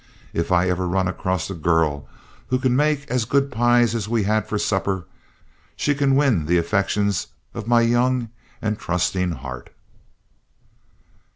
If ever I run across a girl who can make as good pies as we had for supper, she can win the affections of my young and trusting heart."